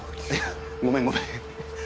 ごめんごめん。